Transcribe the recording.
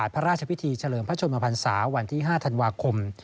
พระราชพิธีเฉลิมพระชนมพันศาวันที่๕ธันวาคม